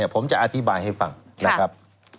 ผมจะอธิบายให้ฟังนะครับ